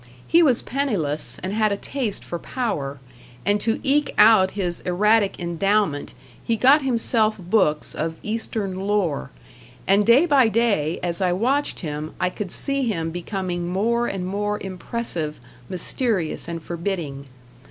He was penniless and had a taste for power, and to eke out his erratic endowment he got himself books of Eastern lore, and day by day as I watched him I could see him becoming more and more impressive, mysterious and forbidding.